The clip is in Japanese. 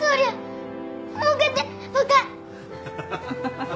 ハハハハ！